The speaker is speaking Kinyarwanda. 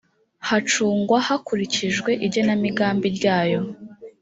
ha acungwa hakurikijwe igenamigambi ryayo